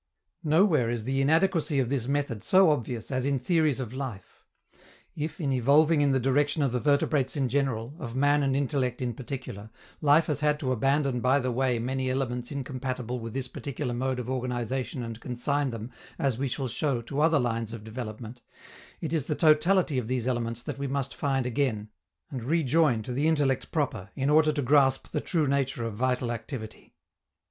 Nowhere is the inadequacy of this method so obvious as in theories of life. If, in evolving in the direction of the vertebrates in general, of man and intellect in particular, life has had to abandon by the way many elements incompatible with this particular mode of organization and consign them, as we shall show, to other lines of development, it is the totality of these elements that we must find again and rejoin to the intellect proper, in order to grasp the true nature of vital activity.